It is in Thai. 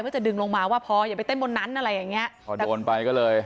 เพื่อจะดึงลงมาว่าพออย่าไปเต้นบนนั้นอะไรอย่างเงี้ยพอโดนไปก็เลย